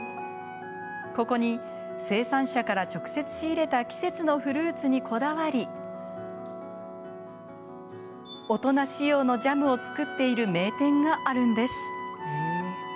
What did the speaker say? ここに生産者から直接仕入れた季節のフルーツにこだわり大人仕様のジャムを作っている名店があるんです。